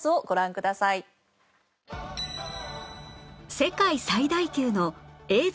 世界最大級の映像